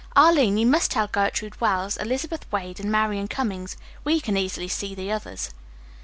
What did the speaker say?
Arline, you must tell Gertrude Wells, Elizabeth Wade and Marian Cummings. We can easily see the others."